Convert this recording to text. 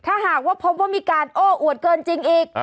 ถ้าหากว่าพบว่ามีการโอ้อวดเกินจริงอีก